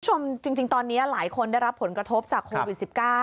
คุณผู้ชมจริงตอนนี้หลายคนได้รับผลกระทบจากโควิด๑๙